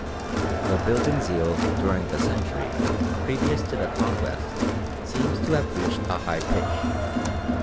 The building zeal during the century previous to the Conquest seems to have reached a high pitch.